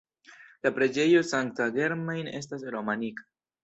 La preĝejo Sankta Germain estas romanika.